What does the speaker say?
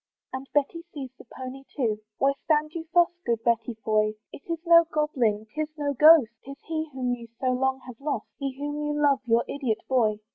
And Betty sees the pony too: Why stand you thus Good Betty Foy? It is no goblin, 'tis no ghost, 'Tis he whom you so long have lost, He whom you love, your idiot boy.